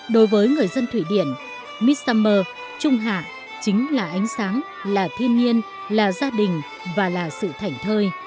đối với người dân thụy điển miss summer trung hạ chính là ánh sáng là thiên nhiên là gia đình và là sự thảnh thơi